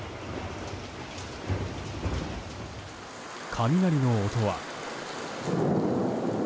雷の音は。